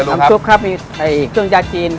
ซุปครับมีเครื่องยาจีน